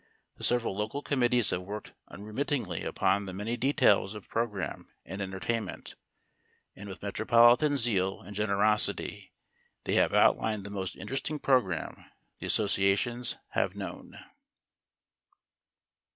The several local committees have worked unremittingly upon the many details of program and entertainment; and with metropolitan zeal and generosity they have outlined the most interesting program the associations have known.